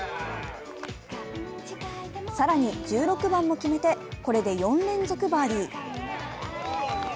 更に、１６番も決めて、これで４連続バーディー。